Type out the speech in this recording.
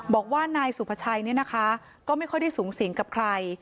บอกว่านายสุภาชัยเนี่ยนะคะก็ไม่ค่อยได้สูงสิงกับใคร